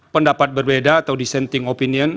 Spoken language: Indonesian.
pendapat berbeda atau dissenting opinion